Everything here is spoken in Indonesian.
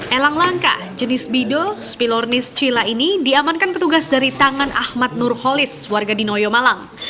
elang langka jenis bido spilornis cila ini diamankan petugas dari tangan ahmad nurholis warga di noyo malang